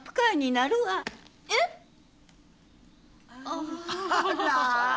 あら。